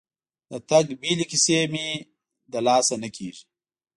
د تګ بیلې کیسې مې له لاسه نه کېږي.